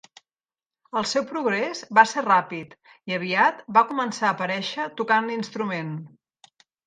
El seu progrés va ser ràpid i aviat va començar a aparèixer tocant l'instrument.